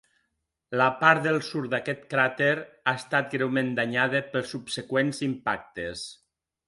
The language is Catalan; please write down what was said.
La part del sud d'aquest cràter ha estat greument danyada pels subsegüents impactes.